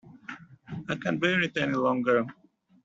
I can’t bear it any longer